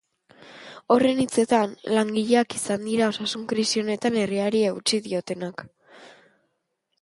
Horren hitzetan, langileak izan dira osasun-krisi honetan herriari eutsi diotenak.